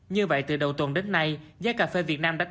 như vậy từ đầu tuần đến nay giá cà phê việt nam đã tăng